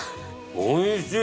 おいしい！